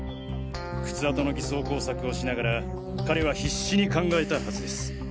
靴跡の偽装工作をしながら彼は必死に考えたはずです。